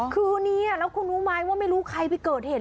คือนี้แล้วคุณรู้ไหมว่าไม่รู้ใครไปเกิดเหตุ